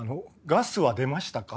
ガスは出ましたか？」。